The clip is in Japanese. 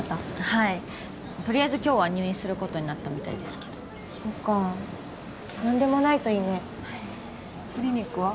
はいとりあえず今日は入院することになったみたいですけどそっか何でもないといいねはいクリニックは？